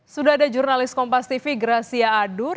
sudah ada jurnalis kompas tv gracia adur